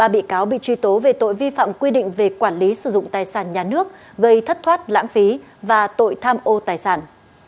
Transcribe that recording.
ba bị cáo bị truy tố về tội vi phạm quy định về quản lý sử dụng tài sản nhà nước gây thất thoát lãng phí và tội tham ô tài sản